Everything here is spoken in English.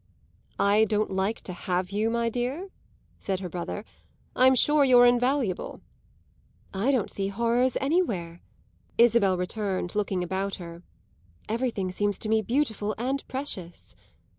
"I don't like to have you, my dear?" said her brother. "I'm sure you're invaluable." "I don't see any horrors anywhere," Isabel returned, looking about her. "Everything seems to me beautiful and precious."